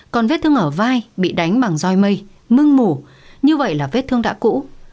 còn vết thương ở vai bị đánh bằng doi mây mưng mủ như vậy là vết thương đã cũ